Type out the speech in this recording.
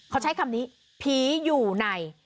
เขาใช้คำนี้ผีอยู่ใน